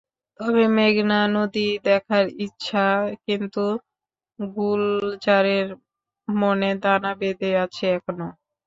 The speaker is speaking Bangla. তবে মেঘনা নদী দেখার ইচ্ছা কিন্তু গুলজারের মনে দানা বেঁধে আছে এখনো।